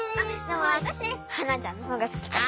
私ハナちゃんのほうが好きかな。